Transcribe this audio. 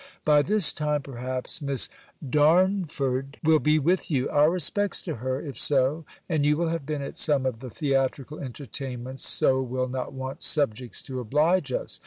By this time, perhaps, Miss Darnford will be with you. Our respects to her, if so. And you will have been at some of the theatrical entertainments: so will not want subjects to oblige us.